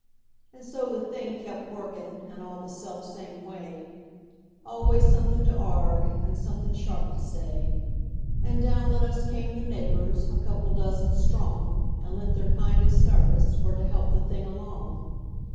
And so the thing kept workin', and all the self same way; Always somethin' to arg'e, and somethin' sharp to say; And down on us came the neighbors, a couple dozen strong, And lent their kindest sarvice for to help the thing along.